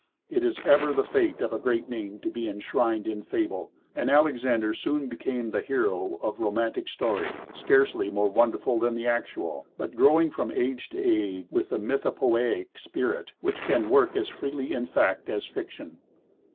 It is ever the fate of a great name to be enshrined in fable, and Alexander soon became the hero of romantic story, scarcely more wonderful than the actual, but growing from age to age with the mythopoeic spirit which can work as freely in fact as fiction.